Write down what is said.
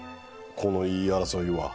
この言い争いは。